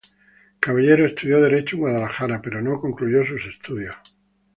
Caballero estudió Derecho en Guadalajara, pero no concluyó sus estudios.